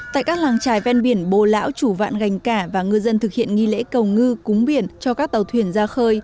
tại các làng trài ven biển bồ lão chủ vạn gành cả và ngư dân thực hiện nghi lễ cầu ngư cúng biển cho các tàu thuyền ra khơi